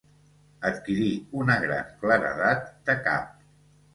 Adquirir una gran claredat de cap.